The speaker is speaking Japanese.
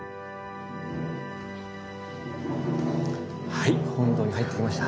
はい本堂に入ってきました。